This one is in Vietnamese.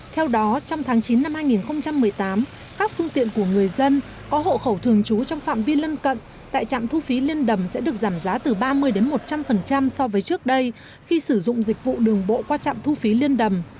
theo đó trong tháng chín năm hai nghìn một mươi tám các phương tiện của người dân có hộ khẩu thường trú trong phạm vi lân cận tại trạm thu phí liên đầm sẽ được giảm giá từ ba mươi một trăm linh so với trước đây khi sử dụng dịch vụ đường bộ qua trạm thu phí liên đầm